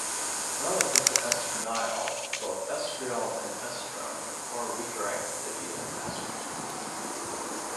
Relative to estradiol, both estriol and estrone have far weaker activity as estrogens.